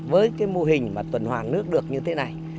với cái mô hình mà tuần hoàn nước được như thế này